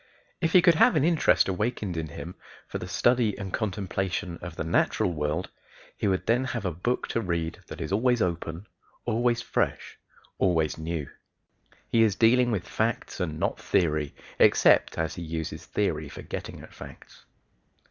If he could have an interest awakened in him for the study and contemplation of the natural world he would then have a book to read that is always open, always fresh, always new. He is dealing with facts and not theory, except as he uses theory for getting at facts.